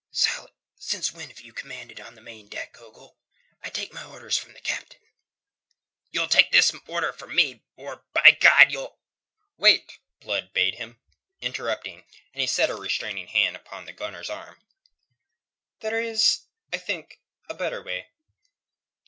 "Since when have you commanded on the main deck, Ogle? I take my orders from the Captain." "You'll take this order from me, or, by God, you'll...." "Wait!" Blood bade him, interrupting, and he set a restraining hand upon the gunner's arm. "There is, I think, a better way."